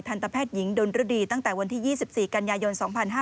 ตแพทย์หญิงดนรดีตั้งแต่วันที่๒๔กันยายน๒๕๕๙